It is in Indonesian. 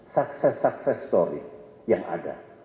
sukses sukses story yang ada